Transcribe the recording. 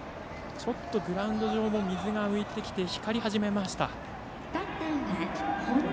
ちょっとグラウンド上も水が浮いてきて光り始めました。